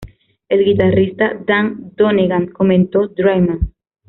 El guitarrista Dan Donegan comentó Draiman:.